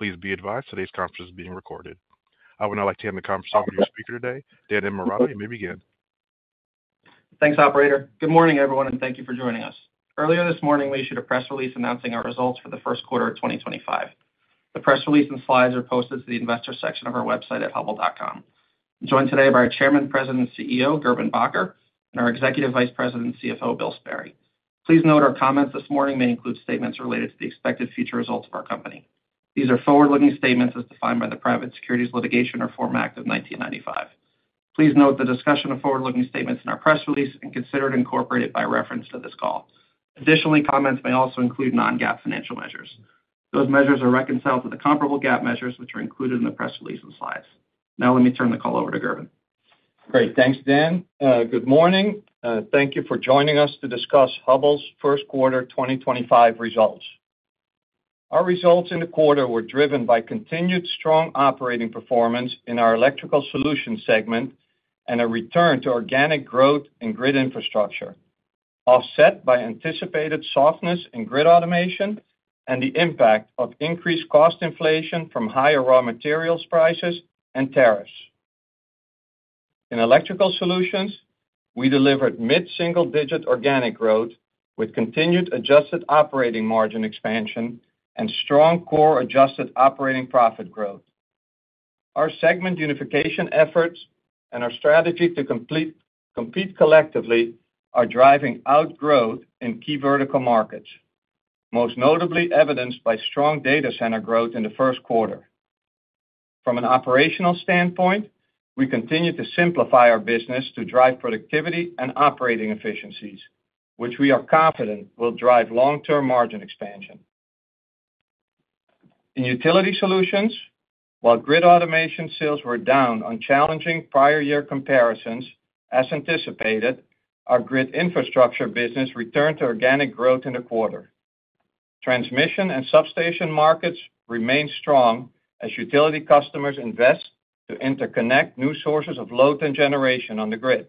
Please be advised today's conference is being recorded. I would now like to hand the conference over to our speaker today, Dan Innamorato, and we begin. Thanks, Operator. Good morning, everyone, and thank you for joining us. Earlier this morning, we issued a press release announcing our results for the First Quarter of 2025. The press release and slides are posted to the investor section of our website at hubbell.com. I'm joined today by our Chairman, President, and CEO, Gerben Bakker, and our Executive Vice President and CFO, Bill Sperry. Please note our comments this morning may include statements related to the expected future results of our company. These are forward-looking statements as defined by the Private Securities Litigation Reform Act of 1995. Please note the discussion of forward-looking statements in our press release and consider to incorporate it by reference to this call. Additionally, comments may also include non-GAAP financial measures. Those measures are reconciled to the comparable GAAP measures which are included in the press release and slides. Now, let me turn the call over to Gerben. Great. Thanks, Dan. Good morning. Thank you for joining us to discuss Hubbell's First Quarter 2025 results. Our results in the quarter were driven by continued strong operating performance in our electrical solutions segment and a return to organic growth in grid infrastructure, offset by anticipated softness in grid automation and the impact of increased cost inflation from higher raw materials prices and tariffs. In electrical solutions, we delivered mid-single-digit organic growth with continued adjusted operating margin expansion and strong core adjusted operating profit growth. Our segment unification efforts and our strategy to compete collectively are driving outgrowth in key vertical markets, most notably evidenced by strong data center growth in the first quarter. From an operational standpoint, we continue to simplify our business to drive productivity and operating efficiencies, which we are confident will drive long-term margin expansion. In utility solutions, while grid automation sales were down on challenging prior-year comparisons, as anticipated, our grid infrastructure business returned to organic growth in the quarter. Transmission and substation markets remained strong as utility customers invest to interconnect new sources of load and generation on the grid.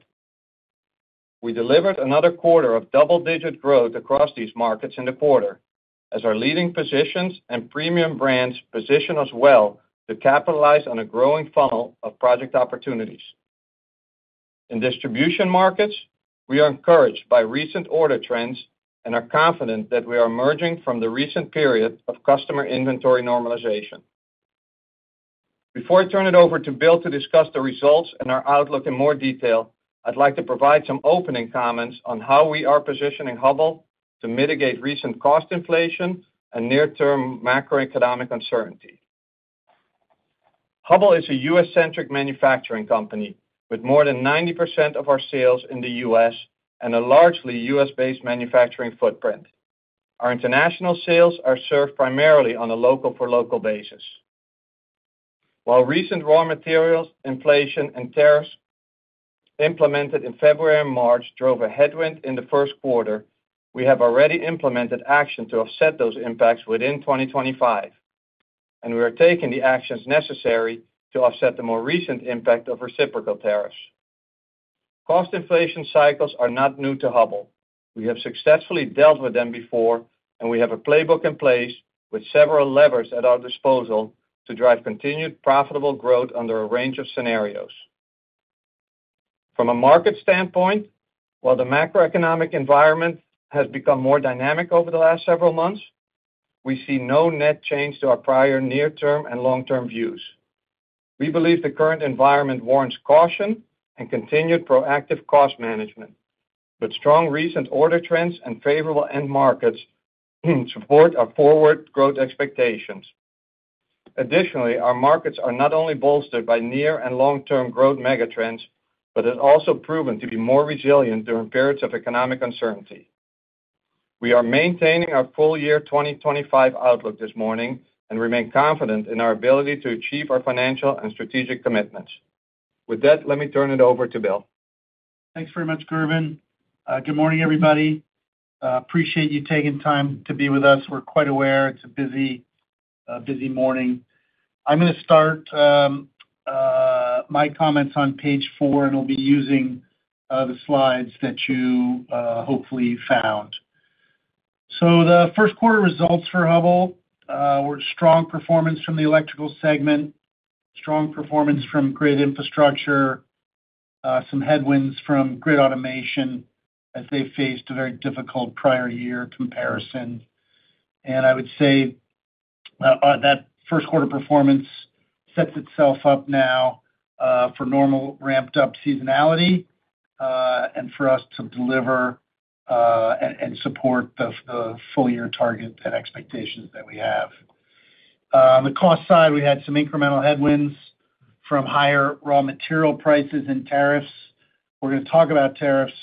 We delivered another quarter of double-digit growth across these markets in the quarter, as our leading positions and premium brands position us well to capitalize on a growing funnel of project opportunities. In distribution markets, we are encouraged by recent order trends and are confident that we are emerging from the recent period of customer inventory normalization. Before I turn it over to Bill to discuss the results and our outlook in more detail, I'd like to provide some opening comments on how we are positioning Hubbell to mitigate recent cost inflation and near-term macroeconomic uncertainty. Hubbell is a U.S.-centric manufacturing company with more than 90% of our sales in the U.S. and a largely U.S.-based manufacturing footprint. Our international sales are served primarily on a local-for-local basis. While recent raw materials inflation and tariffs implemented in February and March drove a headwind in the first quarter, we have already implemented action to offset those impacts within 2025, and we are taking the actions necessary to offset the more recent impact of reciprocal tariffs. Cost inflation cycles are not new to Hubbell. We have successfully dealt with them before, and we have a playbook in place with several levers at our disposal to drive continued profitable growth under a range of scenarios. From a market standpoint, while the macroeconomic environment has become more dynamic over the last several months, we see no net change to our prior near-term and long-term views. We believe the current environment warrants caution and continued proactive cost management, but strong recent order trends and favorable end markets support our forward growth expectations. Additionally, our markets are not only bolstered by near and long-term growth megatrends, but have also proven to be more resilient during periods of economic uncertainty. We are maintaining our full-year 2025 outlook this morning and remain confident in our ability to achieve our financial and strategic commitments. With that, let me turn it over to Bill. Thanks very much, Gerben. Good morning, everybody. Appreciate you taking time to be with us. We're quite aware. It's a it's a busy morning. I'm going to start my comments on page four, and we'll be using the slides that you hopefully found. So the first quarter results for Hubbell were strong performance from the electrical segment, strong performance from grid infrastructure, some headwinds from grid automation as they faced a very difficult prior-year comparison. I would say that first-quarter performance sets itself up now for normal ramped-up seasonality and for us to deliver and support the full-year target and expectations that we have. On the cost side, we had some incremental headwinds from higher raw material prices and tariffs. We're going to talk about tariffs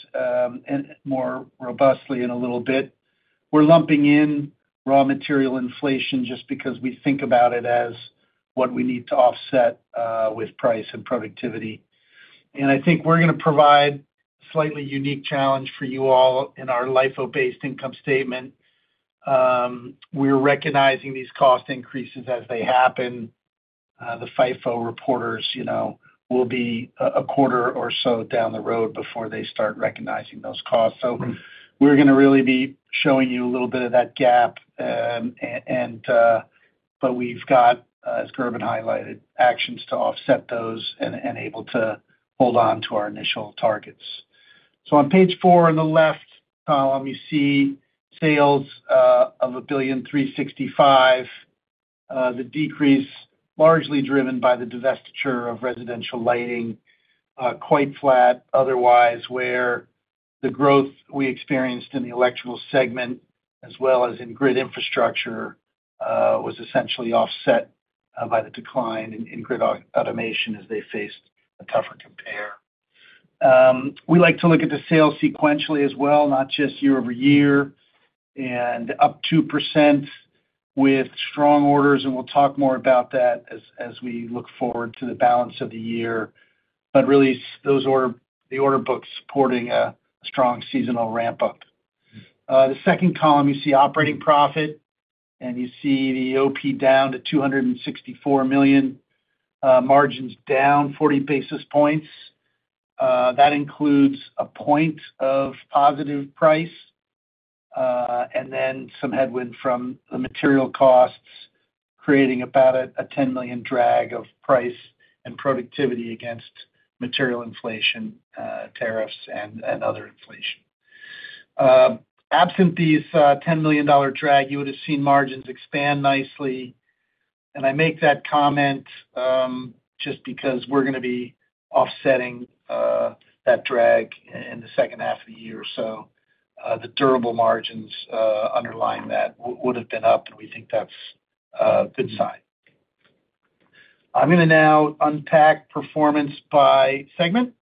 more robustly in a little bit. We're lumping in raw material inflation just because we think about it as what we need to offset with price and productivity. I think we're going to provide a slightly unique challenge for you all in our LIFO-based income statement. We're recognizing these cost increases as they happen. The FIFO reporters you know will be a quarter or so down the road before they start recognizing those costs. So we're going to really be showinSo g you a little bit of that gap, and and but we've got, as Gerben highlighted, actions to offset those and able to hold on to our initial targets. So on page four on the left column, you see sales of $1,365,000, the decrease largely driven by the divestiture of residential lighting, quite flat otherwise, where the growth we experienced in the electrical segment as well as in grid infrastructure was essentially offset by the decline in grid automation as they faced a tougher compare. We like to look at the sales sequentially as well, not just year-over-year, and up 2% with strong orders, and we'll talk more about that as we look forward to the balance of the year, but really the order book supporting a strong seasonal ramp-up. The second column, you see operating profit, and you see the OP down to $264 million, margins down 40 basis points. That includes a point of positive price and then some headwind from the material costs creating about a $10 million drag of price and productivity against material inflation, tariffs, and other inflation. Absent these $10 million drag, you would have seen margins expand nicely. I make that comment just because we're going to be offsetting that drag in the second half of the year, so the durable margins underlying that would have been up, and we think that's a good sign. I'm going to now unpack performance by segment.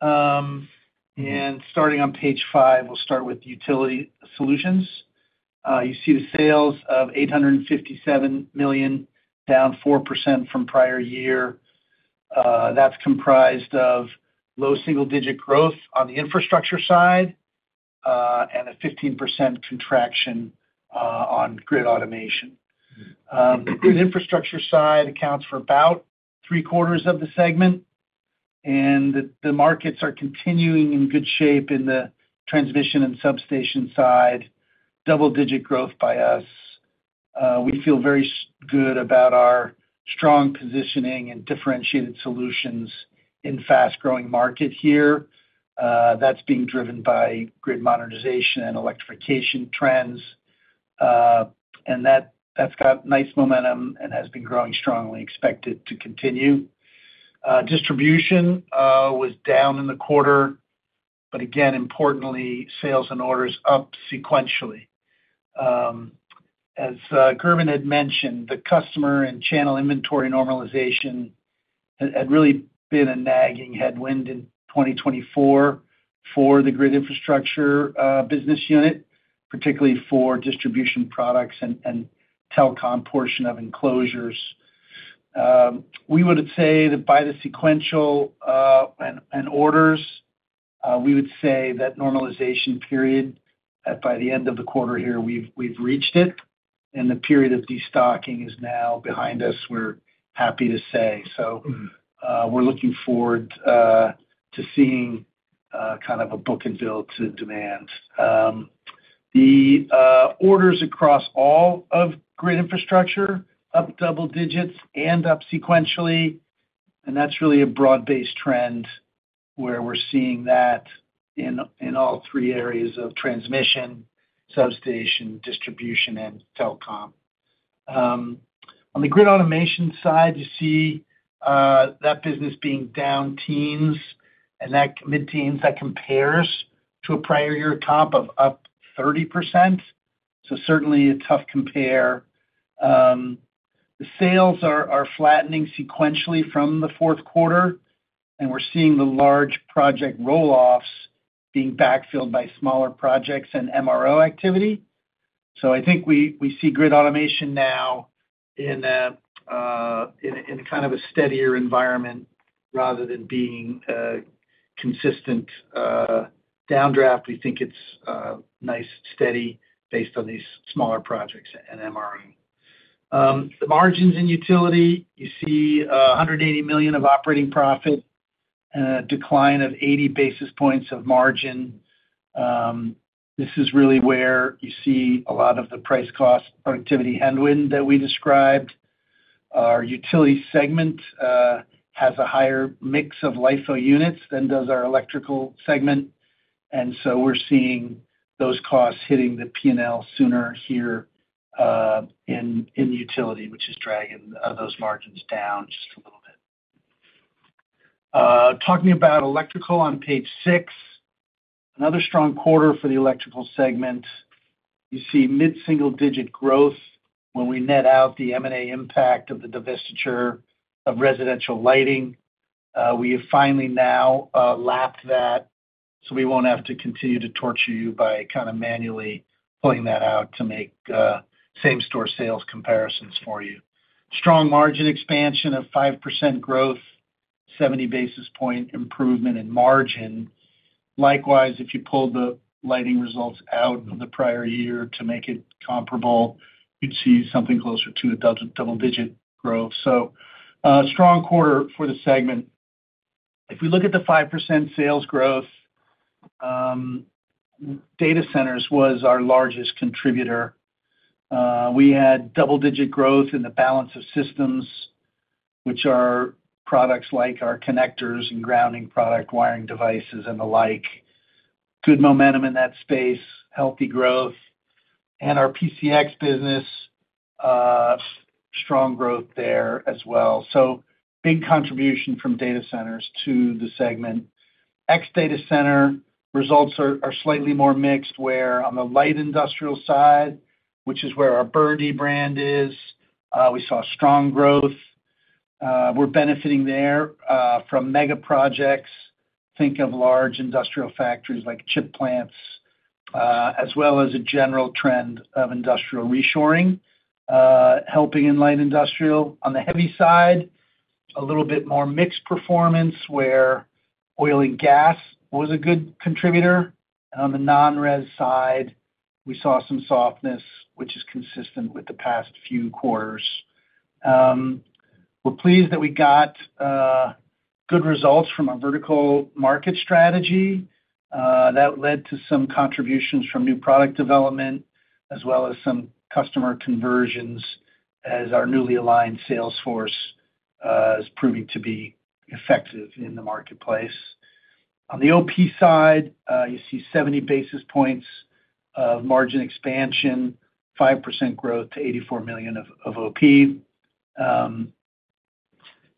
And starting on page five, we'll start with utility solutions. You see the sales of $857 million, down 4% from prior year. That's comprised of low single-digit growth on the infrastructure side and a 15% contraction on grid automation. The grid infrastructure side accounts for about three-quarters of the segment, and the markets are continuing in good shape in the transmission and substation side, double-digit growth by us. We feel very good about our strong positioning and differentiated solutions in fast-growing market here. That is being driven by grid modernization and electrification trends, and that has got nice momentum and has been growing strongly, expected to continue. Distribution was down in the quarter, but again, importantly, sales and orders up sequentially. As Gerben had mentioned, the customer and channel inventory normalization had really been a nagging headwind in 2024 for the grid infrastructure business unit, particularly for distribution products and and telecom portion of enclosures. We would say that by the sequential and orders, we would say that normalization period by the end of the quarter here, we've reached it, and the period of destocking is now behind us, we're happy to say. So we are looking forward to seeing kind of a book and bill to demand. The orders across all of grid infrastructure up double digits and up sequentially, and that's really a broad-based trend where we're seeing that in all in all three areas of transmission, substation, distribution, and telecom. On the grid automation side, you see that business being down teens and mid-teens. That compares to a prior-year comp of up 30%, so certainly a tough compare. The sales are flattening sequentially from the fourth quarter, and we're seeing the large project roll offs being backfilled by smaller projects and MRO activity. So I think we see grid automation now in kind of a steadier environment rather than being a consistent downdraft. We think it's nice, steady based on these smaller projects and MRO. The margins in utility, you see $180 million of operating profit, a decline of 80 basis points of margin. This is really where you see a lot of the price-cost productivity headwind that we described. Our utility segment has a higher mix of LIFO units than does our electrical segment, and so we're seeing those costs hitting the P&L sooner here in utility, which is dragging those margins down just a little bit. Talking about electrical on page six, another strong quarter for the electrical segment. You see mid-single-digit growth when we net out the M&A impact of the divestiture of residential lighting. We have finally now lapped that, so we won't have to continue to torture you by kind of manually pulling that out to make same-store sales comparisons for you. Strong margin expansion of 5% growth, 70 basis point improvement in margin. Likewise, if you pull the lighting results out of the prior year to make it comparable, you'd see something closer to a double-digit growth. Strong quarter for the segment. If we look at the 5% sales growth, data centers was our largest contributor. We had double-digit growth in the balance of systems, which are products like our connectors and grounding products, wiring devices, and the like. Good momentum in that space, healthy growth. Our PCX business, strong growth there as well. So big contribution from data centers to the segment. Next data center results are slightly more mixed where on the light industrial side, which is where our Byrd brand is, we saw strong growth. We are benefiting there from mega projects. Think of large industrial factories like chip plants, as well as a general trend of industrial reshoring, helping in light industrial. On the heavy side, a little bit more mixed performance where oil and gas was a good contributor. On the non-rez side, we saw some softness, which is consistent with the past few quarters. We are pleased that we got good results from our vertical market strategy. That led to some contributions from new product development as well as some customer conversions as our newly aligned Salesforce is proving to be effective in the marketplace. On the OP side, you see 70 basis points of margin expansion, 5% growth to $84 million of OP.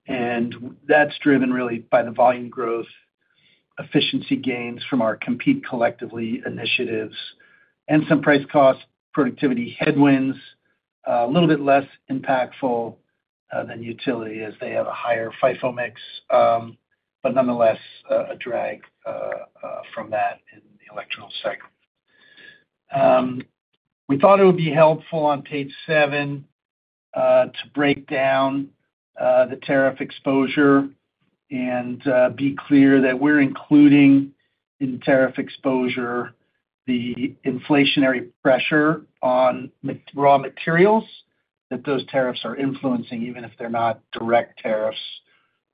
And that's driven really by the volume growth, efficiency gains from our compete collectively initiatives, and some price-cost productivity headwinds, a little bit less impactful than utility as they have a higher FIFO mix, but nonetheless a drag from that in the electrical segment. We thought it would be helpful on page seven to break down the tariff exposure and be clear that we're including in tariff exposure the inflationary pressure on raw materials that those tariffs are influencing, even if they're not direct tariffs.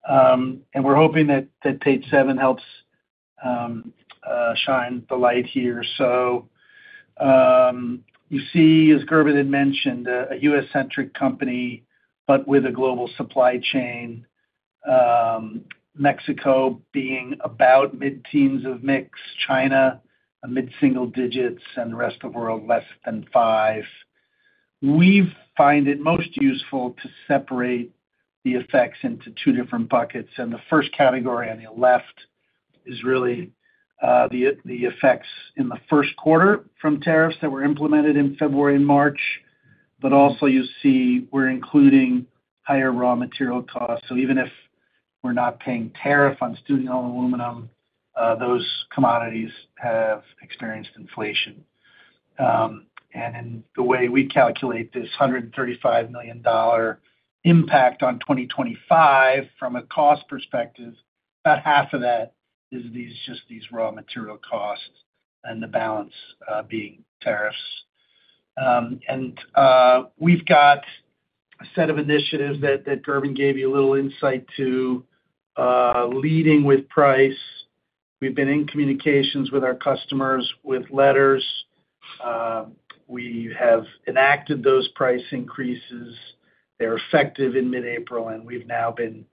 And we're hoping that page seven helps shine the light here. So you see, as Gerben had mentioned, a U.S.-centric company but with a global supply chain, Mexico being about mid-teens of mix, China mid-single digits, and the rest of the world less than 5%. We find it most useful to separate the effects into two different buckets. And the first category on the left is really the effects in the first quarter from tariffs that were implemented in February and March. But you also see we're including higher raw material costs. Even if we're not paying tariff on steel and aluminum, those commodities have experienced inflation. In the way we calculate this $135 million impact on 2025 from a cost perspective, about half of that is just these raw material costs and the balance being tariffs. And we've got a set of initiatives that Gerben gave you a little insight to, leading with price. We've been in communications with our customers with letters. We have enacted those price increases. They're effective in mid-April, and we've now been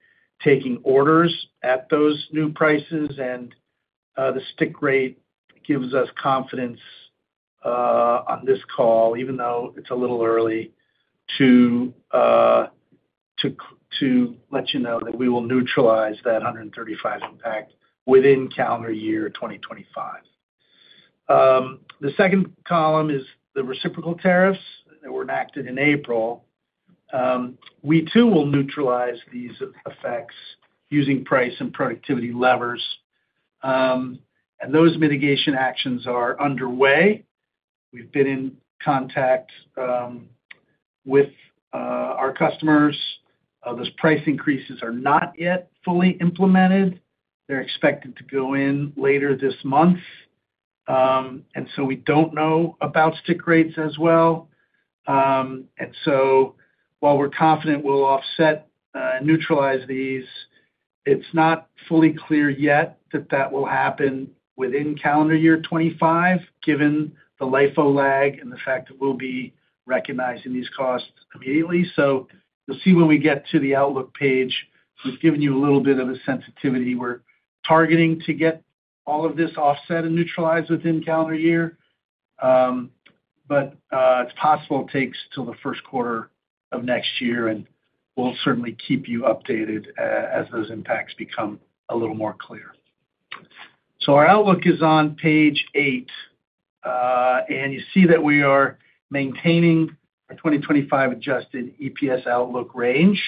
taking orders at those new prices. And the stick rate gives us confidence on this call, even though it's a little early, to to to let you know that we will neutralize that $135 impact within calendar year 2025. The second column is the reciprocal tariffs that were enacted in April. We too will neutralize these effects using price and productivity levers. Those mitigation actions are underway. We've been in contact with our customers. Those price increases are not yet fully implemented. They're expected to go in later this month. And so we don't know about stick rates as well. And so while we're confident we'll offset and neutralize these, it's not fully clear yet that that will happen within calendar year 2025, given the LIFO lag and the fact that we'll be recognizing these costs immediately. So you'll see when we get to the outlook page, we've given you a little bit of a sensitivity. We're targeting to get all of this offset and neutralized within calendar year. It is possible it takes till the first quarter of next year, and we'll certainly keep you updated as those impacts become a little more clear. So our outlook is on page eight. And you see that we are maintaining our 2025 adjusted EPS outlook range.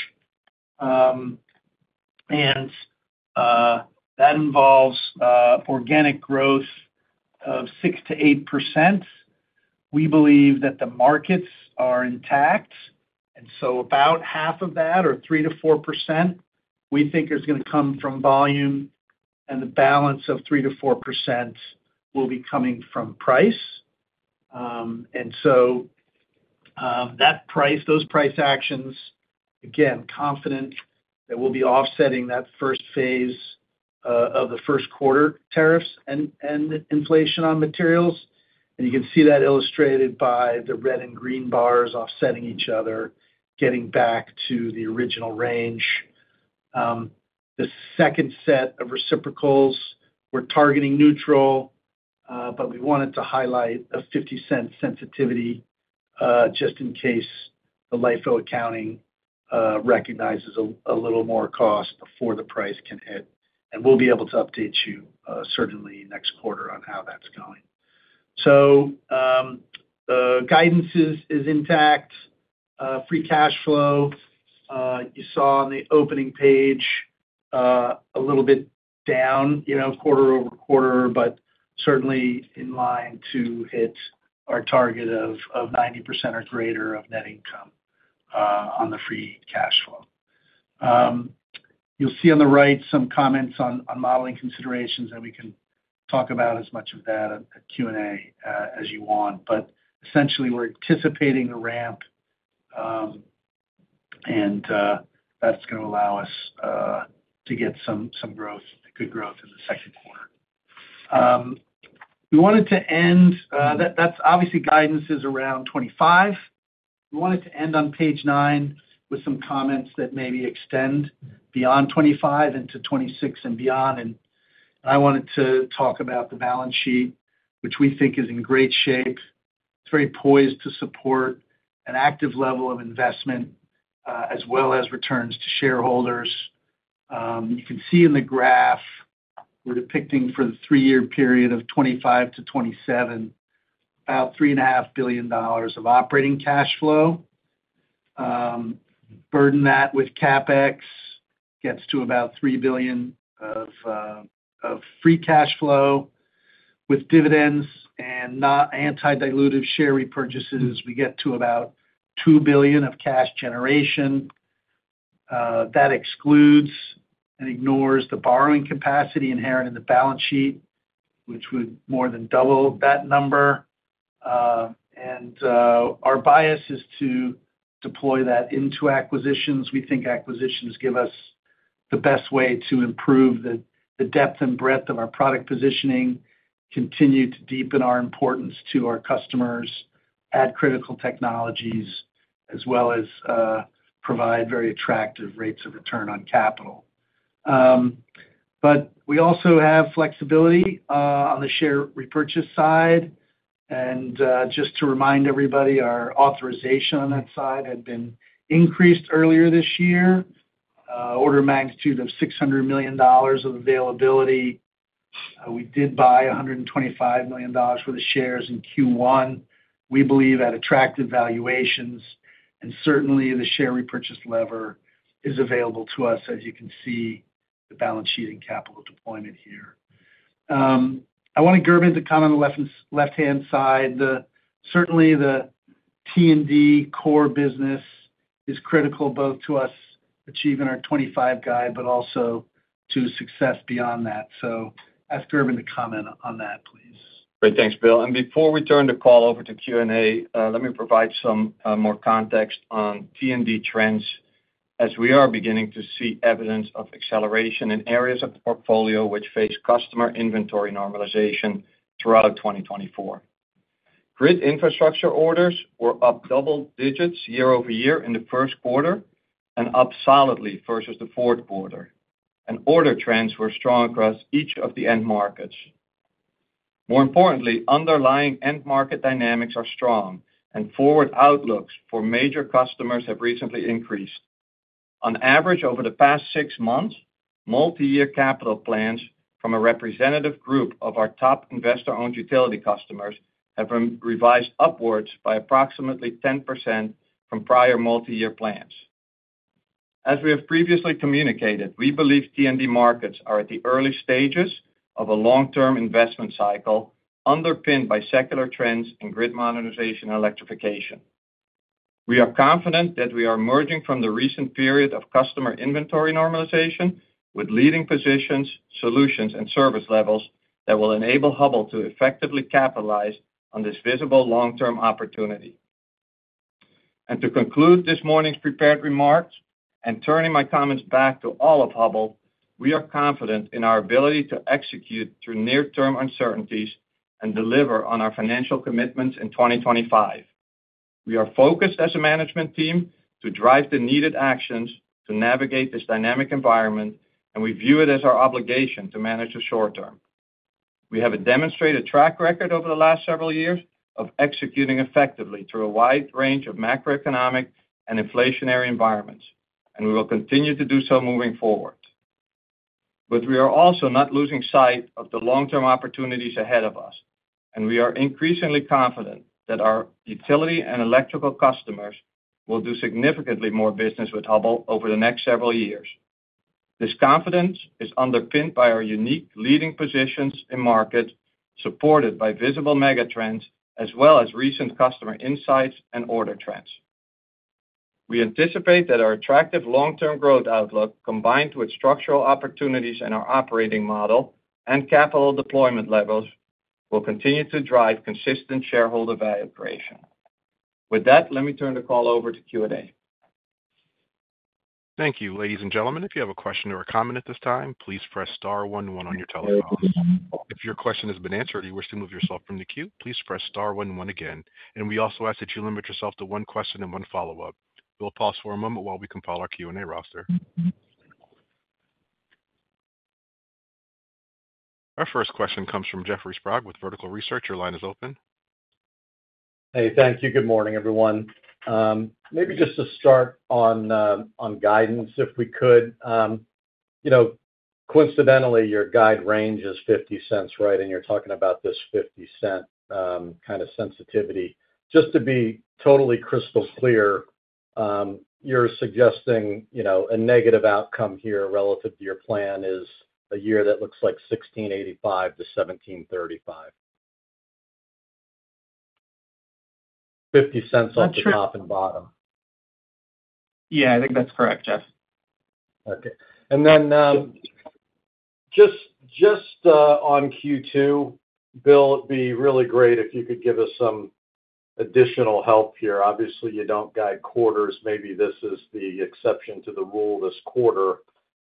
And that involves organic growth of 6-8%. We believe that the markets are intact. And so about half of that, or 3-4%, we think is going to come from volume. And the balance of 3-4% will be coming from price. And so those price actions, again, confident that we'll be offsetting that first phase of the first quarter tariffs and inflation on materials. You can see that illustrated by the red and green bars offsetting each other, getting back to the original range. The second set of reciprocals, we're targeting neutral, but we wanted to highlight a $0.50 sensitivity just in case the LIFO accounting recognizes a little more cost before the price can hit. We'll be able to update you certainly next quarter on how that's going. So the guidance is intact. Free cash flow, you saw on the opening page a little bit down quarter over quarter, but certainly in line to hit our target of 90% or greater of net income on the free cash flow. You'll see on the right some comments on modeling considerations, and we can talk about as much of that at Q&A as you want. But essentially, we're anticipating the ramp, and the that's going to allow us to get some good growth in the second quarter. We wanted to end that's obviously guidance is around 2025. We wanted to end on page nine with some comments that maybe extend beyond 2025 into 2026 and beyond. I wanted to talk about the balance sheet, which we think is in great shape. It is very poised to support an active level of investment as well as returns to shareholders. You can see in the graph we are depicting for the three-year period of 2025-2027, about $3.5 billion of operating cash flow. Burden that with Capex gets to about $3 billion of of free cash flow. With dividends and anti-dilutive share repurchases, we get to about $2 billion of cash generation. That excludes and ignores the borrowing capacity inherent in the balance sheet, which would more than double that number. And our bias is to deploy that into acquisitions. We think acquisitions give us the best way to improve the depth and breadth of our product positioning, continue to deepen our importance to our customers, add critical technologies, as well as provide very attractive rates of return on capital. But we also have flexibility on the share repurchase side. And just to remind everybody, our authorization on that side had been increased earlier this year. Order magnitude of $600 million of availability. We did buy $125 million for the shares in Q1, we believe, at attractive valuations. Certainly, the share repurchase lever is available to us, as you can see the balance sheet and capital deployment here. I wanted Gerben to comment on the left-hand side. Certainly, the T&D core business is critical both to us achieving our 2025 guide but also to success beyond that. I ask Gerben to comment on that, please. Great. Thanks, Bill. Before we turn the call over to Q&A, let me provide some more context on T&D trends as we are beginning to see evidence of acceleration in areas of the portfolio which face customer inventory normalization throughout 2024. Grid infrastructure orders were up double digits year over year in the first quarter and up solidly versus the fourth quarter. Order trends were strong across each of the end markets. More importantly, underlying end market dynamics are strong, and forward outlooks for major customers have recently increased. On average, over the past six months, multi-year capital plans from a representative group of our top investor-owned utility customers have been revised upwards by approximately 10% from prior multi-year plans. As we have previously communicated, we believe T&D markets are at the early stages of a long-term investment cycle underpinned by secular trends in grid modernization and electrification. We are confident that we are emerging from the recent period of customer inventory normalization with leading positions, solutions, and service levels that will enable Hubbell to effectively capitalize on this visible long-term opportunity. And to conclude this morning's prepared remarks and turning my comments back to all of Hubbell, we are confident in our ability to execute through near-term uncertainties and deliver on our financial commitments in 2025. We are focused as a management team to drive the needed actions to navigate this dynamic environment, and we view it as our obligation to manage the short term. We have a demonstrated track record over the last several years of executing effectively through a wide range of macroeconomic and inflationary environments, and we will continue to do so moving forward. But we are also not losing sight of the long-term opportunities ahead of us, and we are increasingly confident that our utility and electrical customers will do significantly more business with Hubbell over the next several years. This confidence is underpinned by our unique leading positions in market supported by visible mega trends as well as recent customer insights and order trends. We anticipate that our attractive long-term growth outlook, combined with structural opportunities in our operating model and capital deployment levels, will continue to drive consistent shareholder value creation. With that, let me turn the call over to Q&A. Thank you, ladies and gentlemen. If you have a question or a comment at this time, please press Star one one on your telephone. If your question has been answered or you wish to move yourself from the queue, please press Star one one again. We also ask that you limit yourself to one question and one follow-up. We'll pause for a moment while we compile our Q&A roster. Our first question comes from Jeffrey Sprague with Vertical Research. Your line is open. Hey, thank you. Good morning, everyone. Maybe just to start on guidance, if we could. Coincidentally, your guide range is $0.50, right? And you're talking about this $0.50 kind of sensitivity. Just to be totally crystal clear, you're suggesting a negative outcome here relative to your plan is a year that looks like $16.85-$17.35. $0.50 on top and bottom. Yeah, I think that's correct, Jeff. Okay. And then just on Q2, Bill, it'd be really great if you could give us some additional help here. Obviously, you don't guide quarters. Maybe this is the exception to the rule this quarter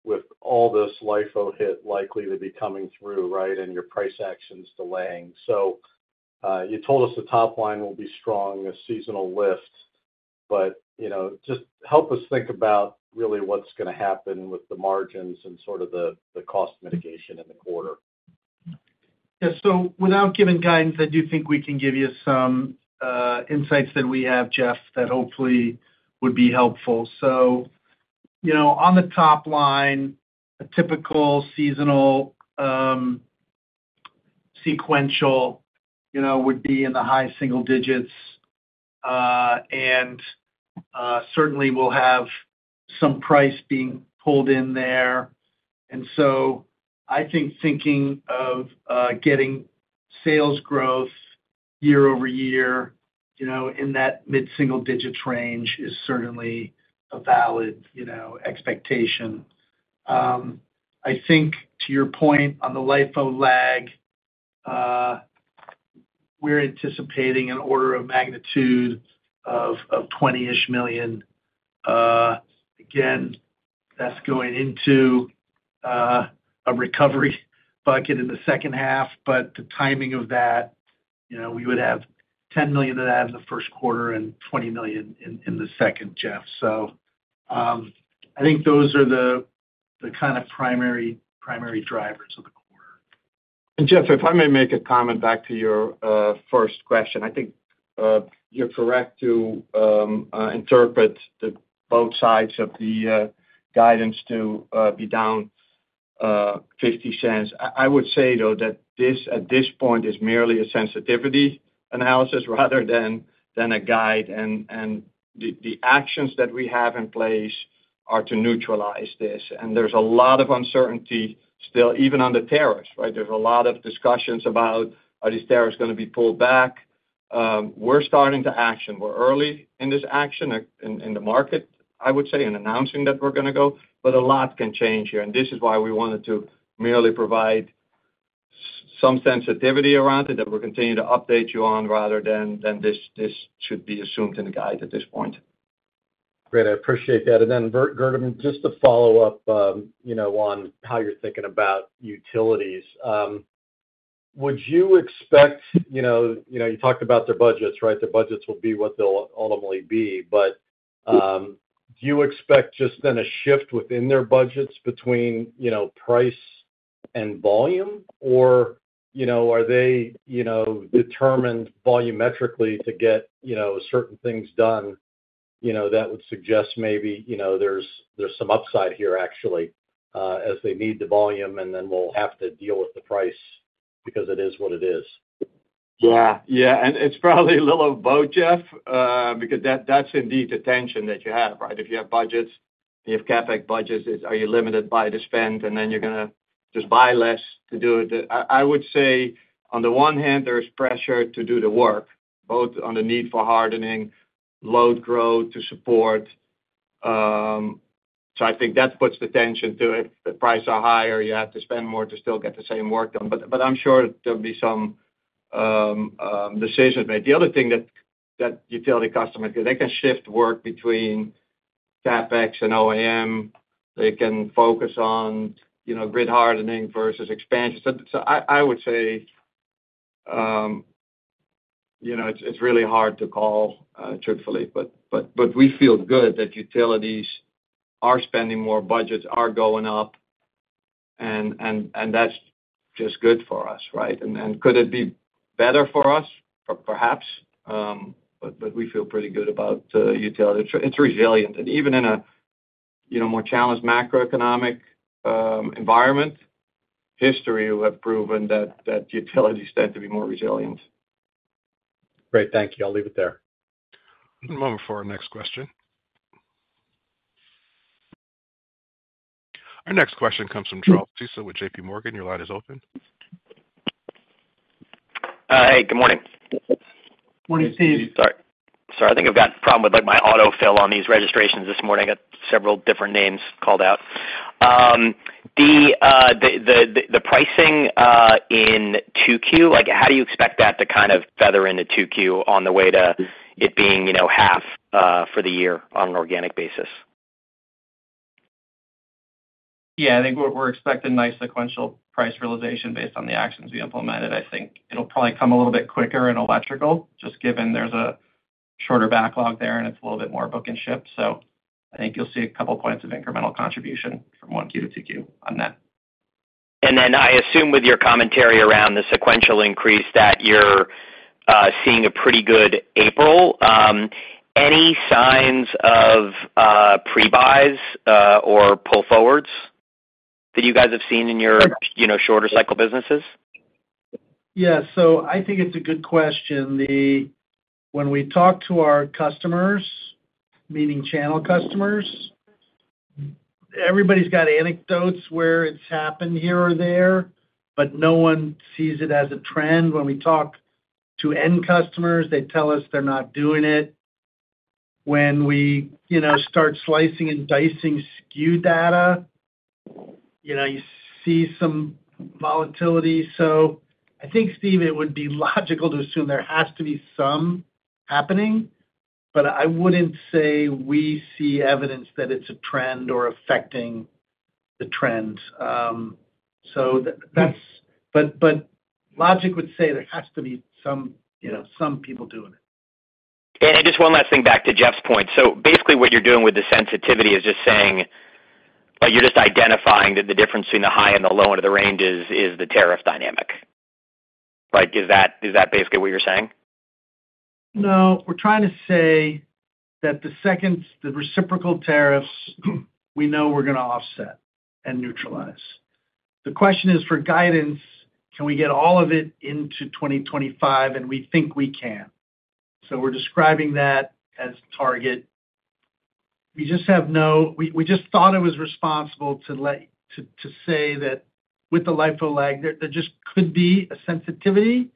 with all this LIFO hit likely to be coming through, right, and your price actions delaying. So you told us the top line will be strong, a seasonal lift. Just help us think about really what's going to happen with the margins and sort of the cost mitigation in the quarter. Yeah. So without giving guidance, I do think we can give you some insights that we have, Jeff, that hopefully would be helpful. So on the top line, a typical seasonal sequential you know would be in the high single digits. And certainly, we'll have some price being pulled in there. And so I think thinking of getting sales growth year over year in that mid-single digit range is certainly a valid you know expectation. I think to your point on the LIFO lag, we're anticipating an order of magnitude of $20 million-ish. Again, that's going into a recovery bucket in the second half. But the timing of that, you know we would have $10 million of that in the first quarter and $20 million in the second, Jeff. So I think those are the are the kind of primary drivers of the quarter. And Jeff, if I may make a comment back to your first question, I think you're correct to interpret both sides of the guidance to be down $0.50. I would say, though, that this at this point is merely a sensitivity analysis rather than a guide. And and the actions that we have in place are to neutralize this. And there's a lot of uncertainty still, even on the tariffs, right? There's a lot of discussions about, are these tariffs going to be pulled back? We're starting to action. We're early in this action in the market, I would say, in announcing that we're going to go. A lot can change here. This is why we wanted to merely provide some sensitivity around it that we're continuing to update you on rather than this this should be assumed in the guide at this point. Great. I appreciate that. Then, Gerben, just to follow up on you know how you're thinking about utilities, would you expect you talked about their budgets, right? The budgets will be what they'll ultimately be. But do you expect just then a shift within their budgets between you know price and volume? Or you know are they you know determined volumetrically to get you know certain things done you know that would suggest maybe you know there's there's some upside here, actually, as they need the volume, and then we'll have to deal with the price because it is what it is? Yeah. Yeah. It's probably a little of both, Jeff, because that's indeed the tension that you have, right? If you have budgets, you have Capex budgets, are you limited by the spend, and then you're going to just buy less to do it? I would say, on the one hand, there is pressure to do the work, both on the need for hardening, load growth to support. So I think that puts the tension to it. The prices are higher. You have to spend more to still get the same work done. But I'm sure there'll be some decisions made. The other thing that utility customers, they can shift work between Capex and OEM. They can focus on grid hardening versus expansion. So I I would say you know it's really hard to call truthfully. But but we feel good that utilities are spending more, budgets are going up, and and that's just good for us, right? Could it be better for us, but perhaps? But we feel pretty good about utility. It's resilient. Even in a in a more challenged macroeconomic environment, history will have proven that utilities tend to be more resilient. Great. Thank you. I'll leave it there. One moment for our next question. Our next question comes from Charles Tisa with J.P. Morgan. Your line is open. Hey, good morning. Morning, Steve. Sorry. I think I've got a problem with my autofill on these registrations this morning. I got several different names called out. The pricing in 2Q, how do you expect that to kind of feather into 2Q on the way to it being half for the year on an organic basis? Yeah. I think we're expecting nice sequential price realization based on the actions we implemented. I think it'll probably come a little bit quicker in electrical, just given there's a shorter backlog there and it's a little bit more book and ship. I think you'll see a couple of points of incremental contribution from 1Q to 2Q on that. And I assume with your commentary around the sequential increase that you're seeing a pretty good April. Any signs of prebuys or pull forwards that you guys have seen in your shorter-cycle businesses? Yeah. So I think it's a good question. When we talk to our customers, meaning channel customers, everybody's got anecdotes where it's happened here or there, but no one sees it as a trend. When we talk to end customers, they tell us they're not doing it. When we you know start slicing and dicing SKU data, you see some volatility. So I think, Steve, it would be logical to assume there has to be some happening, but I wouldn't say we see evidence that it's a trend or affecting the trend. So but but logic would say there has to be some some people doing it. Just one last thing back to Jeff's point. Basically, what you're doing with the sensitivity is just saying you're just identifying that the difference between the high and the low end of the range is the tariff dynamic, right? Is that basically what you're saying? No. We're trying to say that the reciprocal tariffs we know we're going to offset and neutralize. The question is, for guidance, can we get all of it into 2025? We think we can. We're describing that as target. We just thought it was responsible to say that with the LIFO lag, there just could be a sensitivity,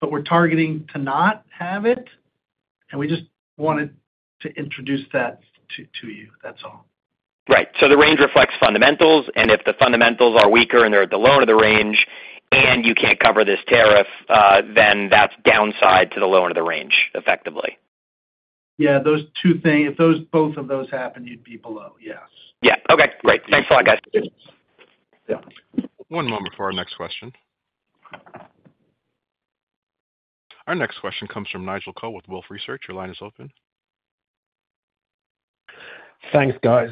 but we're targeting to not have it. And we just wanted to introduce that to you. That's all. Right. So the range reflects fundamentals. If the fundamentals are weaker and they're at the low end of the range and you can't cover this tariff, then that's downside to the low end of the range, effectively. Yeah. If both of those happen, you'd be below, yes. Yeah. Okay. Great. Thanks a lot, guys. Yeah. One moment for our next question. Our next question comes from Nigel Coe with Wolfe Research. Your line is open. Thanks, guys.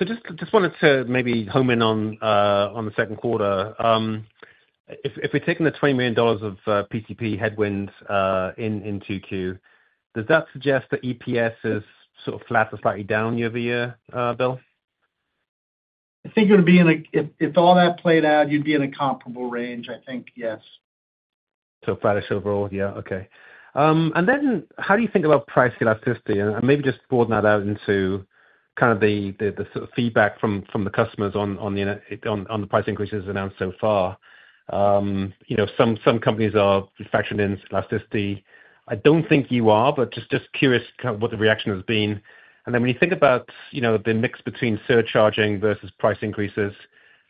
Just wanted to maybe hone in on the second quarter. If we're taking the $20 million of PTP headwinds in 2Q, does that suggest that EPS is sort of flat or slightly down year over year, Bill? I think it would be in a if all that played out, you'd be in a comparable range, I think, yes. Flatter overall, yeah. Okay. And then how do you think about price elasticity? Maybe just broaden that out into kind of the sort of feedback from from the customers on on on the price increases announced so far. You know some some companies are factoring in elasticity. I don't think you are, but just curious what the reaction has been. When you think about you know the mix between surcharging versus price increases,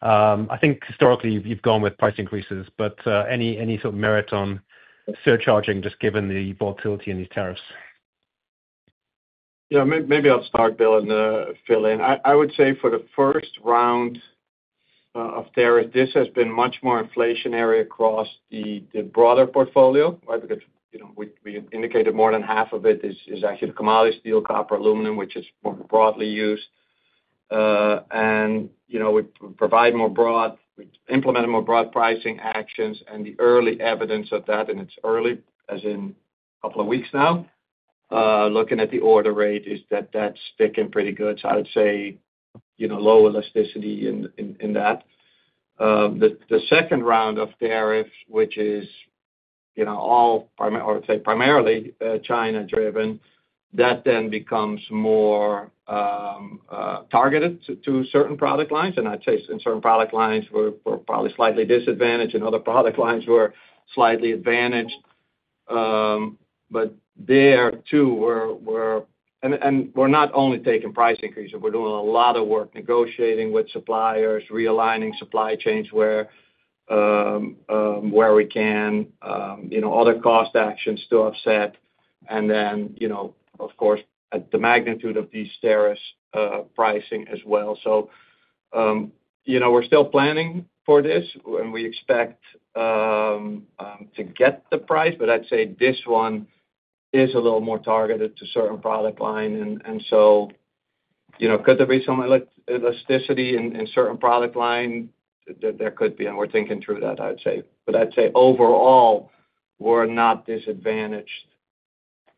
I think historically you've gone with price increases, but any sort of merit on surcharging just given the volatility in these tariffs? Yeah. Maybe I'll start, Bill, and fill in. I would say for the first round of tariffs, this has been much more inflationary across the the broader portfolio, right? Because we indicated more than half of it is actually the commodity steel, copper, aluminum, which is more broadly used. And you know we provide more broad, we implemented more broad pricing actions. The early evidence of that, and it is early as in a couple of weeks now, looking at the order rate, is that that is sticking pretty good. You know I would say low elasticity in that. The second round of tariffs, which you know is all, I would say, primarily China-driven, that then becomes more targeted to certain product lines. And I would say in certain product lines, we are probably slightly disadvantaged. In other product lines, we are slightly advantaged. But there, too, we're we're and we are not only taking price increases. We're doing a lot of work negotiating with suppliers, realigning supply chains where we can, other cost actions to offset. And then you know of course, the magnitude of these tariffs pricing as well. So you know we're still planning for this, and we expect to get the price. I'd say this one is a little more targeted to certain product line. And so could there be some elasticity in certain product lines? There could be. We're thinking through that, I would say. I'd say overall, we're not disadvantaged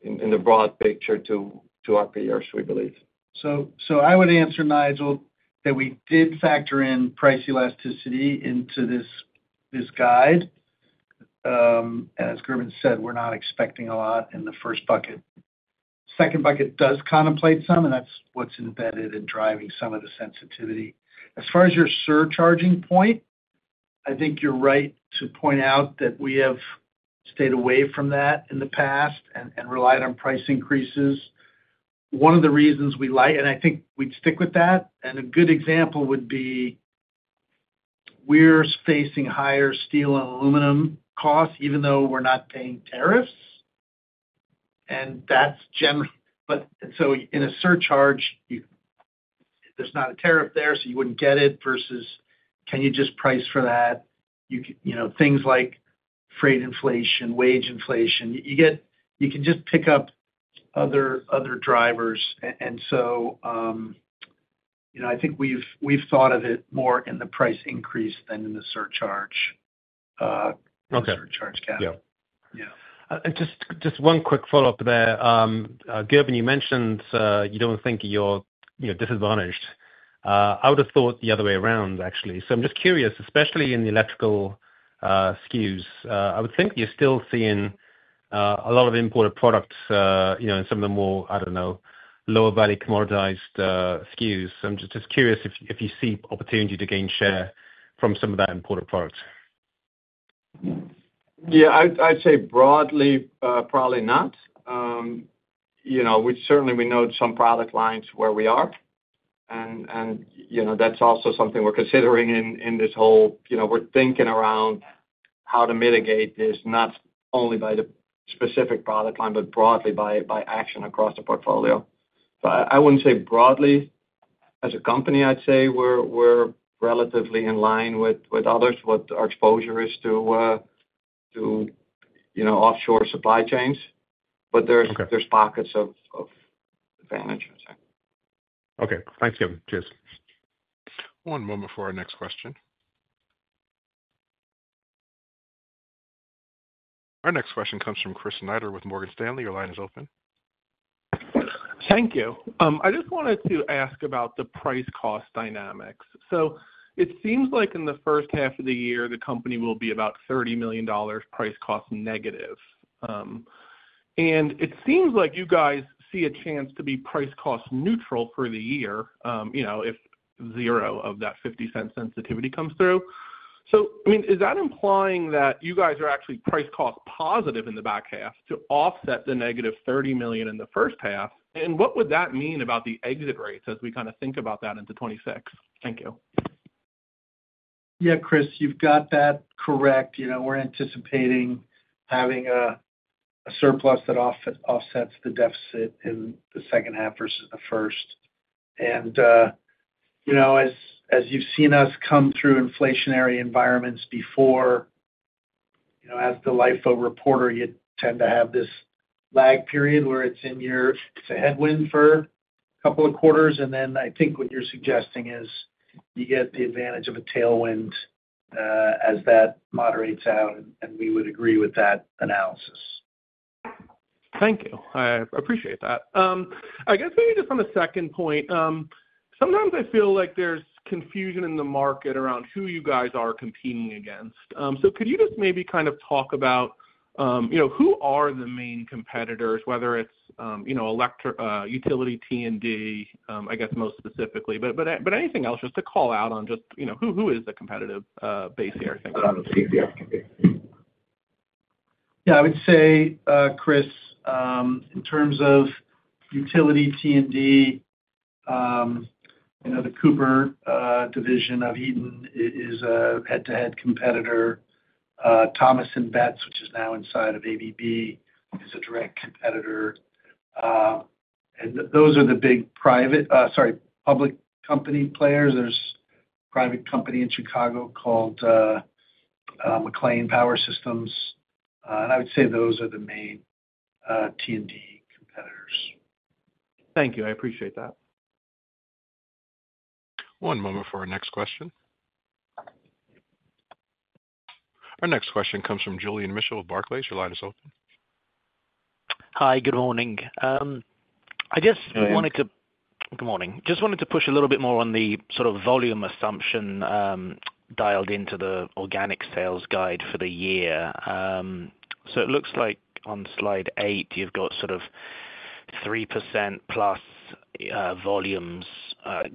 in the broad picture to our peers, we believe. So I would answer, Nigel, that we did factor in price elasticity into this guide. As Gerben said, we're not expecting a lot in the first bucket. Second bucket does contemplate some, and that's what's embedded in driving some of the sensitivity. As far as your surcharging point, I think you're right to point out that we have stayed away from that in the past and relied on price increases. One of the reasons we like and I think we'd stick with that. And a good example would be we're facing higher steel and aluminum costs, even though we're not paying tariffs. And that in a surcharge, there's not a tariff there, so you wouldn't get it versus, "Can you just price for that?" You know things like freight inflation, wage inflation. You can you can just pick up other other drivers. And so I think we've thought of it more in the price increase than in the surcharge. Surcharge, Yeah. Just one quick follow-up there. Gerben, you mentioned you don't think you're disadvantaged. I would have thought the other way around, actually. I'm just curious, especially in the electrical SKUs. I would think you're still seeing a lot of imported products in some of the more, I don't know, lower-value commoditized SKUs. I'm just curious if you see opportunity to gain share from some of that imported product. Yeah. I'd I'd say broadly, probably not. you know certainly, we know some product lines where we are. And and that's also something we're considering in this whole we're thinking around how to mitigate this, not only by the specific product line, but broadly by action across the portfolio. I wouldn't say broadly. As a company, I'd say we're we're relatively in line with others, what our exposure is to to offshore supply chains. But there's pockets of advantage, I'd say. Okay. Thanks, Gerben. Cheers. One moment for our next question. Our next question comes from Chris Snyder with Morgan Stanley. Your line is open. Thank you. I just wanted to ask about the price-cost dynamics. So it seems like in the first half of the year, the company will be about $30 million price-cost negative. And it seems like you guys see a chance to be price-cost neutral for the year you know if zero of that 50-cent sensitivity comes through. So I mean, is that implying that you guys are actually price-cost positive in the back half to offset the negative $30 million in the first half? And what would that mean about the exit rates as we kind of think about that into 2026? Thank you. Yeah, Chris, you've got that correct. We're anticipating having a surplus that offsets the deficit in the second half versus the first. As you've seen us come through inflationary environments before, as the LIFO reporter, you tend to have this lag period where it's a headwind for a couple of quarters. I think what you're suggesting is you get the advantage of a tailwind as that moderates out. We would agree with that analysis. Thank you. I appreciate that. I guess maybe just on the second point, sometimes I feel like there's confusion in the market around who you guys are competing against. Could you just maybe kind of talk about who are the main competitors, whether it's utility T&D, I guess, most specifically, but but anything else just to call out on just who is the competitive base here? Yeah. I would say, Chris, in terms of utility T&D, the Cooper division of Eaton is a head-to-head competitor. Thomas & Betts, which is now inside of ABB, is a direct competitor. Those are the big private big public company players. There's a private company in Chicago called MacLean Power Systems. I would say those are the main T&D competitors. Thank you. I appreciate that. One moment for our next question. Our next question comes from Julian Mitchell with Barclays. Your line is open. Hi. Good morning. I guess I wanted to, good morning. Just wanted to push a little bit more on the sort of volume assumption dialed into the organic sales guide for the year. It looks like on slide 8, you've got sort of 3% plus volumes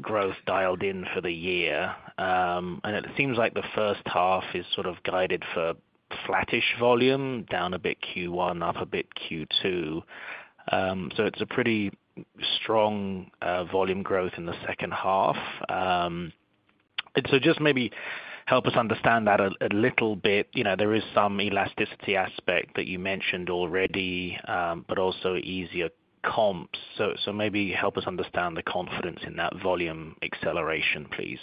growth dialed in for the year. And it seems like the first half is sort of guided for flattish volume, down a bit Q1, up a bit Q2. So it is a pretty strong volume growth in the second half. Just maybe help us understand that a little bit. There is some elasticity aspect that you mentioned already, but also easier comps. So maybe help us understand the confidence in that volume acceleration, please.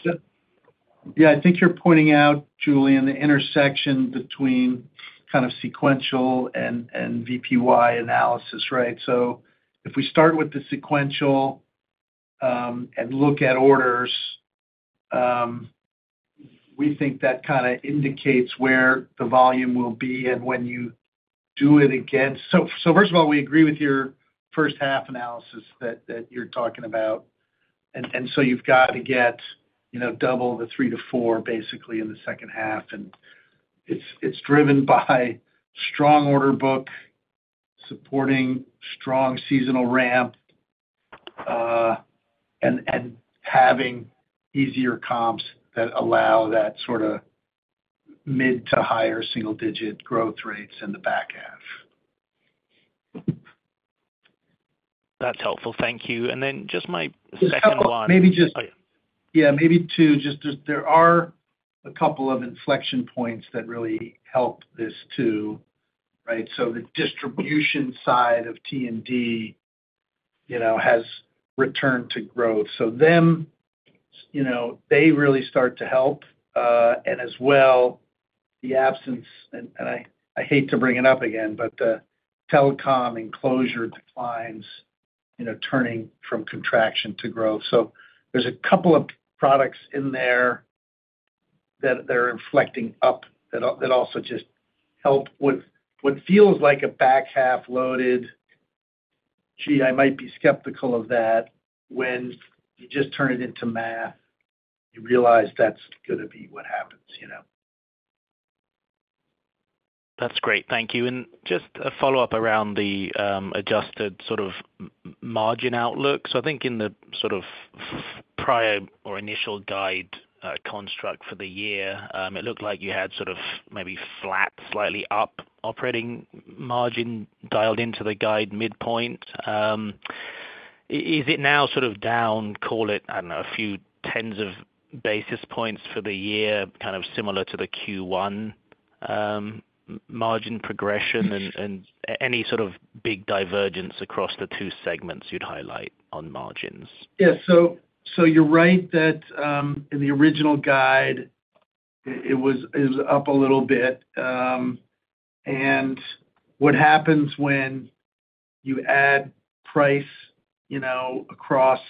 Yeah. I think you're pointing out, Julian, the intersection between kind of sequential and and VPY analysis, right? So if we start with the sequential and look at orders, we think that kind of indicates where the volume will be and when you do it again. So first of all, we agree with your first half analysis that you're talking about. You have to get double the three to four, basically, in the second half. It is driven by strong order book, supporting strong seasonal ramp, and and having easier comps that allow that sort of mid to higher single-digit growth rates in the back half. That's helpful. Thank you. And just my second one. Yeah. Maybe two. There are a couple of inflection points that really help this too, right? So the distribution side of T&D has returned to growth. So then you know they really start to help. As well, the absence—I hate to bring it up again—but the telecom enclosure declines, turning from contraction to growth. So there are a couple of products in there that are inflecting up that also just help with what feels like a back half loaded. Gee, I might be skeptical of that. When you just turn it into math, you realize that's going to be what happens. That's great. Thank you. Just a follow-up around the adjusted sort of margin outlook. I think in the sort of prior or initial guide construct for the year, it looked like you had sort of maybe flat, slightly up operating margin dialed into the guide midpoint. Is it now sort of down, call it, I don't know, a few tens of basis points for the year, kind of similar to the Q1 margin progression? Any sort of big divergence across the two segments you'd highlight on margins? Yeah. You're right that in the original guide, it was up a little bit. And what happens when you add price across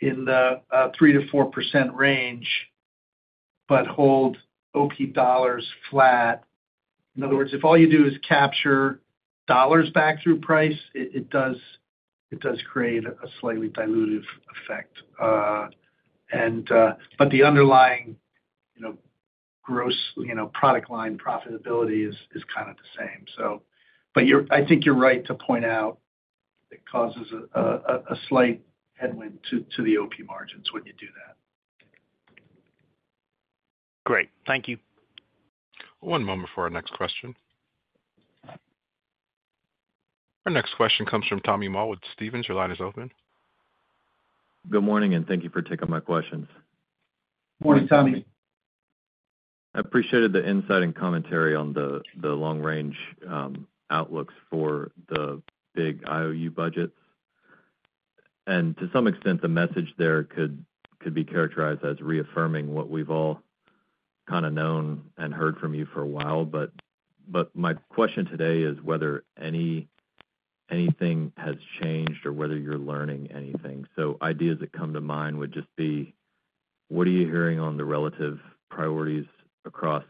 in the 3%-4% range but hold OP dollars flat? In other words, if all you do is capture dollars back through price, it does create a slightly dilutive effect. And the underlying gross product line profitability is kind of the same. I think you're right to point out it causes a slight headwind to the OP margins when you do that. Great. Thank you. One moment for our next question. Our next question comes from Tommy Moll with Stevens. Your line is open. Good morning, and thank you for taking my questions. Morning, Tommy. I appreciated the insight and commentary on the long-range outlooks for the big IOU budgets. And to some extent, the message there could be characterized as reaffirming what we've all kind of known and heard from you for a while. But my question today is whether anything anything has changed or whether you're learning anything. So ideas that come to mind would just be, what are you hearing on the relative priorities across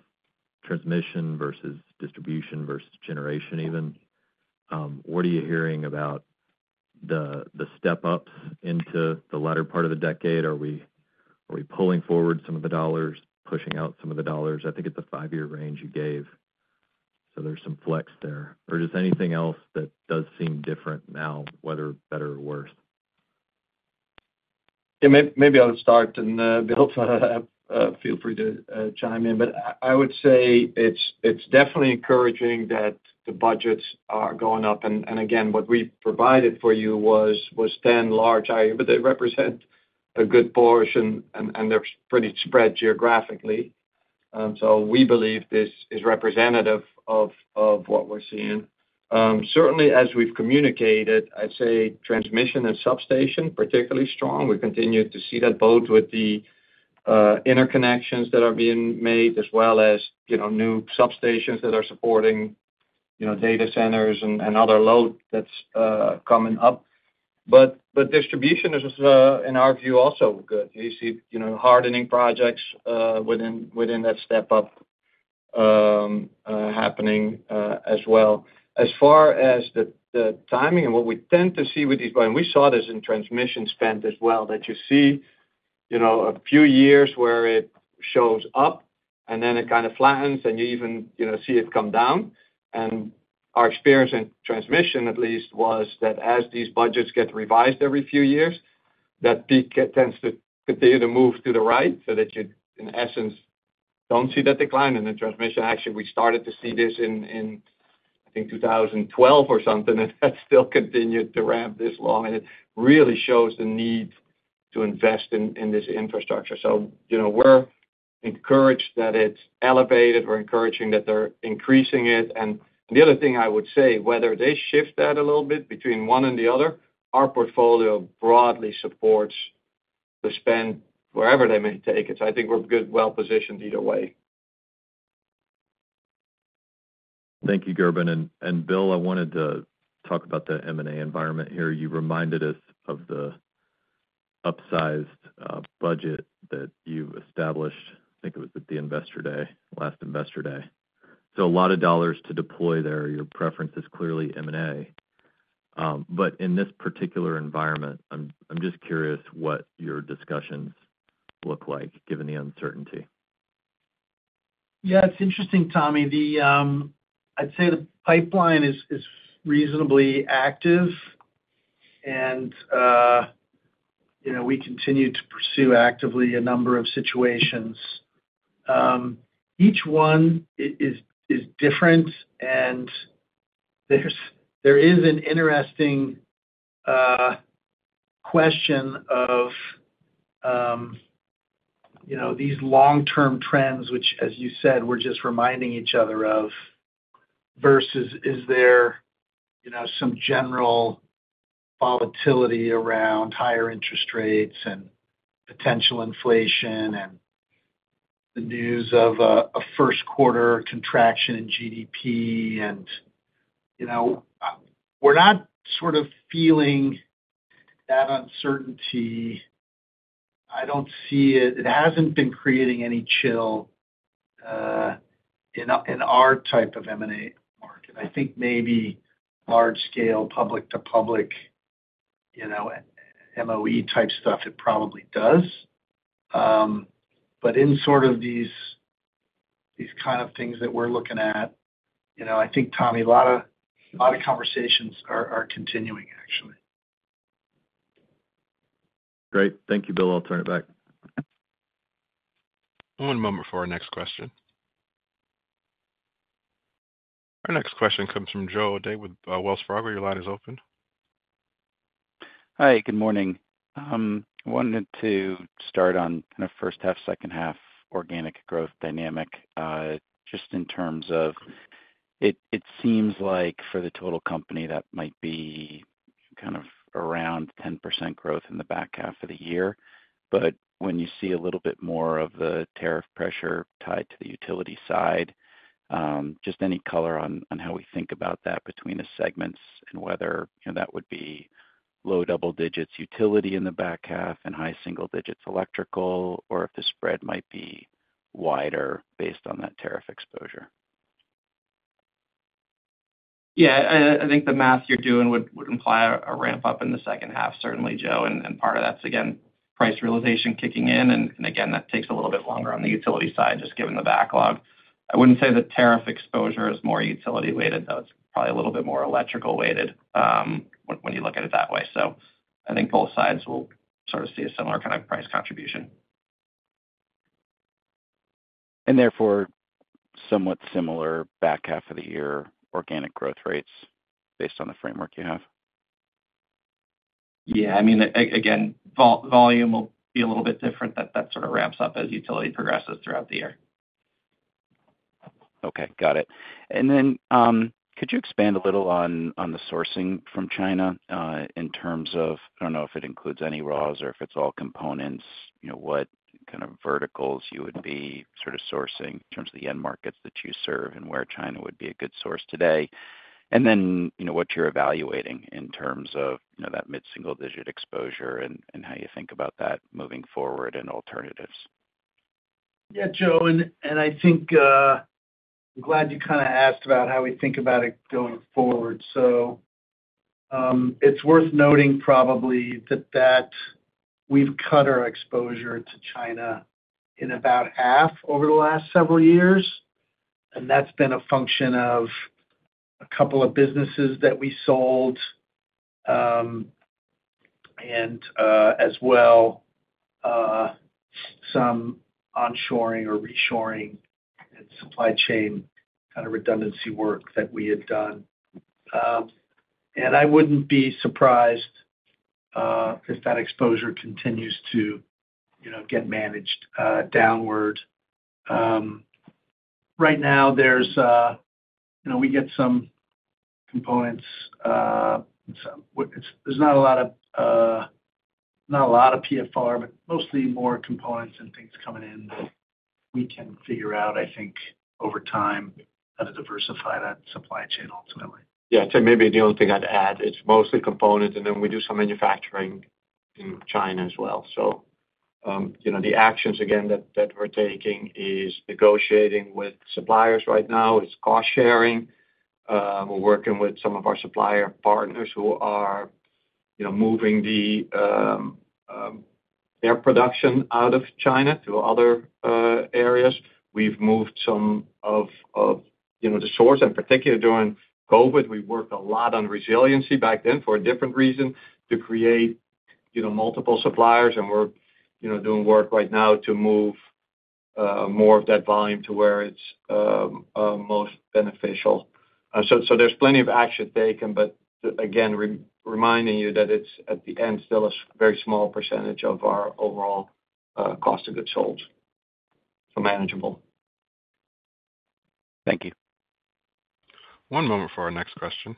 transmission versus distribution versus generation even? What are you hearing about the the step-ups into the latter part of the decade? Are we pulling forward some of the dollars, pushing out some of the dollars? I think it's a five-year range you gave. There's some flex there. Is there anything else that does seem different now, whether better or worse? Yeah. Maybe I'll start, and feel free to chime in. I would say it's definitely encouraging that the budgets are going up. Again, what we provided for you was 10 large IOUs, but they represent a good portion, and they're pretty spread geographically. And so we believe this is representative of of what we're seeing. Certainly, as we've communicated, I'd say transmission and substation are particularly strong. We continue to see that both with the interconnections that are being made as well as new substations that are supporting data centers and other load that's coming up. But distribution is, in our view, also good. You see hardening projects within within that step-up happening as well. As far as the timing and what we tend to see with these budgets, we saw this in transmission spend as well, that you see a few years where it shows up, and then it kind of flattens, and you even see it come down. And our experience in transmission, at least, was that as these budgets get revised every few years, that peak tends to continue to move to the right so that you, in essence, do not see that decline in the transmission. Actually, we started to see this in in in 2012 or something, and that still continued to ramp this long. It really shows the need to invest in this infrastructure. So we are encouraged that it is elevated. We are encouraging that they are increasing it. The other thing I would say, whether they shift that a little bit between one and the other, our portfolio broadly supports the spend wherever they may take it. I think we're good, well-positioned either way. Thank you, Gerben. And Bill, I wanted to talk about the M&A environment here. You reminded us of the upsized budget that you've established. I think it was at the Investor Day, last Investor Day. So a lot of dollars to deploy there. Your preference is clearly M&A. In this particular environment, I'm just curious what your discussions look like, given the uncertainty. Yeah. It's interesting, Tommy. I'd say the pipeline is reasonably active, and we continue to pursue actively a number of situations. Each one is is different, and there is an interesting question of you know these long-term trends, which, as you said, we're just reminding each other of, versus is there you know some general volatility around higher interest rates and potential inflation and the news of of a first-quarter contraction in GDP? And you know we're not sort of feeling that uncertainty. I don't see it. It hasn't been creating any chill in in our type of M&A market. I think maybe large-scale public-to-public you know MOE-type stuff, it probably does. But in sort of these kind of things that we're looking at, I think, Tommy, a lot of conversations are continuing, actually. Great. Thank you, Bill. I'll turn it back. One moment for our next question. Our next question comes from Joe Ada with Wells Fargo. Your line is open. Hi. Good morning. I wanted to start on kind of first half, second half organic growth dynamic just in terms of it seems like for the total company, that might be kind of around 10% growth in the back half of the year. But when you see a little bit more of the tariff pressure tied to the utility side, just any color on how we think about that between the segments and whether that would be low double digits utility in the back half and high single digits electrical, or if the spread might be wider based on that tariff exposure. Yeah. I think the math you're doing would imply a ramp up in the second half, certainly, Joe. Part of that's, again, price realization kicking in. Again, that takes a little bit longer on the utility side, just given the backlog. I wouldn't say the tariff exposure is more utility-weighted, though it's probably a little bit more electrical-weighted when you look at it that way. I think both sides will sort of see a similar kind of price contribution. Therefore, somewhat similar back half of the year organic growth rates based on the framework you have. Yeah. I mean, again again, volume will be a little bit different. That sort of ramps up as utility progresses throughout the year. Okay. Got it. And then could you expand a little on the sourcing from China in terms of I don't know if it includes any raws or if it's all components, what kind of verticals you would be sort of sourcing in terms of the end markets that you serve and where China would be a good source today? And then what you're evaluating in terms of that mid-single-digit exposure and how you think about that moving forward and alternatives. Yeah, Joe. I think I'm glad you kind of asked about how we think about it going forward. It's worth noting probably that we've cut our exposure to China in about half over the last several years. That's been a function of a couple of businesses that we sold and as well some onshoring or reshoring and supply chain kind of redundancy work that we had done. And I wouldn't be surprised if that exposure continues to get managed downward. Right now, there's we get some components. There's not a lot of PFR, but mostly more components and things coming in that we can figure out, I think, over time how to diversify that supply chain ultimately. Yeah. I'd say maybe the only thing I'd add, it's mostly components, and then we do some manufacturing in China as well. So the actions, again, that we're taking is negotiating with suppliers right now. It's cost-sharing. We're working with some of our supplier partners who are moving their production out of China to other areas. We've moved some of of the source. In particular, during COVID, we worked a lot on resiliency back then for a different reason to create multiple suppliers. We're doing work right now to move more of that volume to where it's most beneficial. So there's plenty of action taken, but but again, reminding you that it's at the end still a very small percentage of our overall cost of goods sold. Manageable. Thank you. One moment for our next question.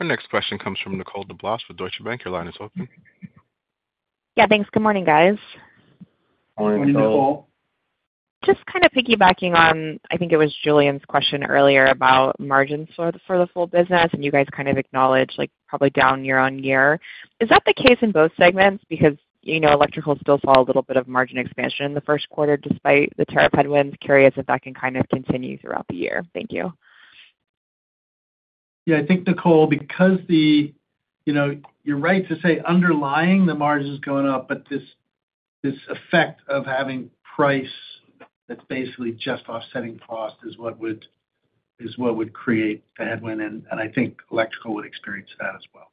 Our next question comes from Nicole DeBlase with Deutsche Bank. Your line is open. Yeah. Thanks. Good morning, guys. Morning, Nicole. Just kind of piggybacking on, I think it was Julian's question earlier about margins for the full business, and you guys kind of acknowledge probably down year on year. Is that the case in both segments? Because electrical still saw a little bit of margin expansion in the first quarter despite the tariff headwinds. Curious if that can kind of continue throughout the year. Thank you. Yeah. I think, Nicole, because the you're right to say underlying the margins going up, but this effect of having price that's basically just offsetting cost is what would is what we create the headwind. I think electrical would experience that as well.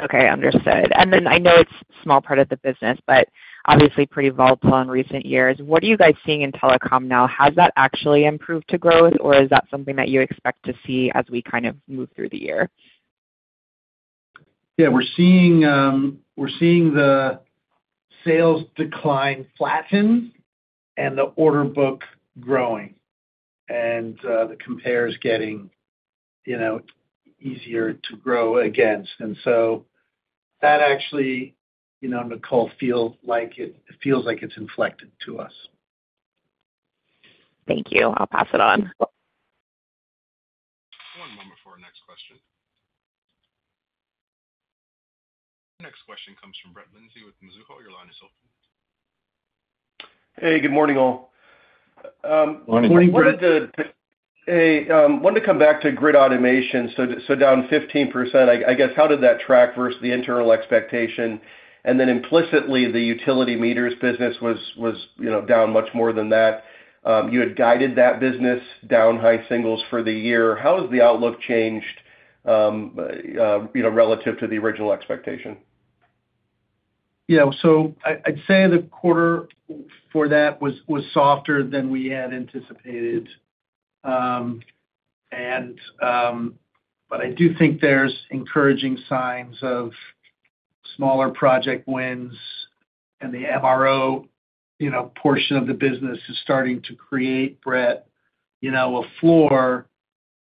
Okay. Understood. And I know it's a small part of the business, but obviously pretty volatile in recent years. What are you guys seeing in telecom now? Has that actually improved to growth, or is that something that you expect to see as we kind of move through the year? Yeah. We're seeing we're seeing the sales decline flatten and the order book growing and the compares getting you know easier to grow against. And so that actually, you know Nicole, feels like it's inflected to us. Thank you. I'll pass it on. One moment for our next question. Next question comes from Brett Lindsey with Mizuho. Your line is open. Hey. Good morning, all. Morning, Brett. Hey. Wanted to come back to grid automation. Down 15%, I guess, how did that track versus the internal expectation? And then implicitly, the utility meters business was was down much more than that. You had guided that business down high singles for the year. How has the outlook changed relative to the original expectation? Yeah. I'd say the quarter for that was softer than we had anticipated. I do think there's encouraging signs of smaller project wins, and the MRO portion of the business is starting to create, Brett, a floor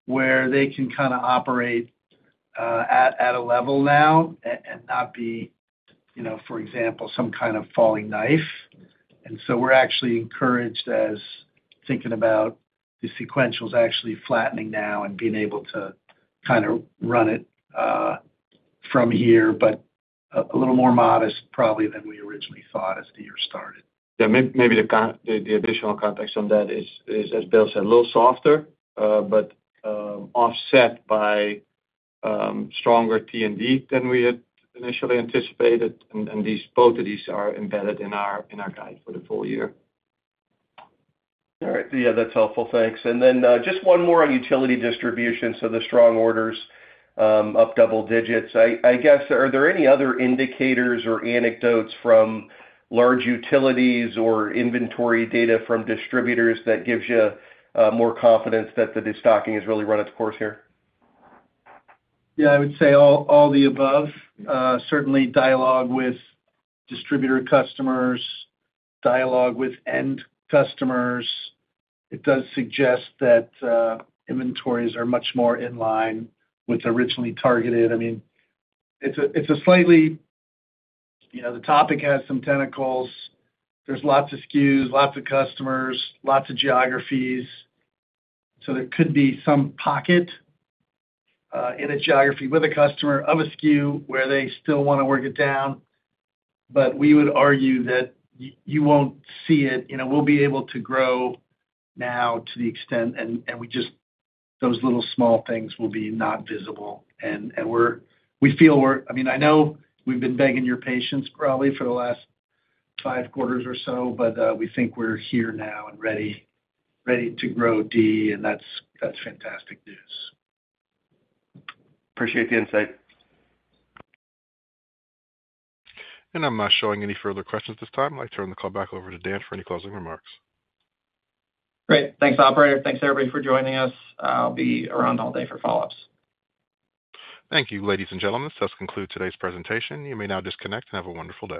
where they can kind of operate at a level now and and not be, for example, some kind of falling knife. We're actually encouraged as thinking about the sequentials actually flattening now and being able to kind of run it from here, but a little more modest probably than we originally thought as the year started. Yeah. Maybe the additional context on that is, as Bill said, a little softer, but offset by stronger T&D than we had initially anticipated. Both of these are embedded in our guide for the full year. All right. Yeah. That's helpful. Thanks. Then just one more on utility distribution. The strong orders up double digits. I guess, are there any other indicators or anecdotes from large utilities or inventory data from distributors that gives you more confidence that the destocking has really run its course here? Yeah. I would say all the above. Certainly, dialogue with distributor customers, dialogue with end customers. It does suggest that inventories are much more in line with originally targeted. I mean, it's it's a slightly the topic has some tentacles. There's lots of SKUs, lots of customers, lots of geographies. So there could be some pocket in a geography with a customer of a SKU where they still want to work it down. But we would argue that you won't see it. We'll be able to grow now to the extent, and those little small things will be not visible. And and we feel we're, I mean, I know we've been begging your patience probably for the last five quarters or so, but we think we're here now and ready to grow deep, and that's fantastic news. Appreciate the insight. I'm not showing any further questions at this time. I'd like to turn the call back over to Dan for any closing remarks. Great. Thanks, operator. Thanks, everybody, for joining us. I'll be around all day for follow-ups. Thank you, ladies and gentlemen. This does conclude today's presentation. You may now disconnect and have a wonderful day.